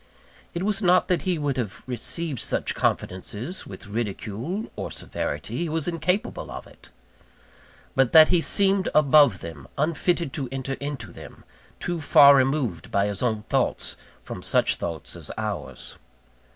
It was not that he would have received such confidences with ridicule or severity, he was incapable of it; but that he seemed above them, unfitted to enter into them, too far removed by his own thoughts from such thoughts as ours.